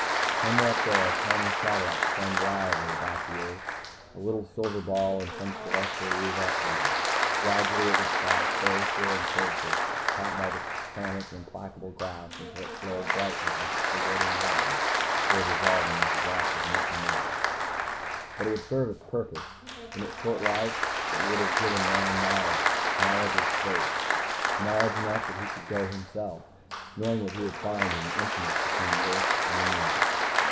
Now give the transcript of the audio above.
Somewhere up there a tiny satellite spun wildly about the earth, a little silver ball in some celestial roulette wheel. Gradually it would spiral closer and closer, caught by the planet's implacable grasp, until it flared brightly like a cigarette in the heavens before dissolving into drops of molten metal. But it would have served its purpose. In its short life it would have given Man knowledge; knowledge of space, knowledge enough that he could go himself, knowing what he would find in the emptiness between the earth and the moon.